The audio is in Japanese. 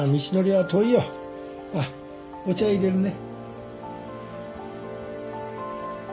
あっお茶入れるね